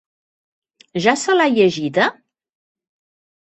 Ja se l'ha llegida?